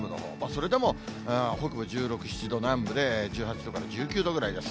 それでも北部１６、７度、南部で１８度から１９度ぐらいです。